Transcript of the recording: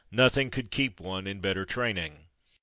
Nothing could keep one in better training.